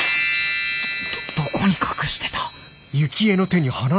どどこに隠してた？